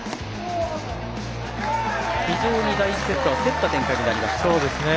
非常に第１セットは競った展開になりました。